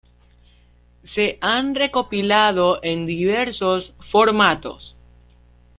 Se han recopilado en diversos formatos.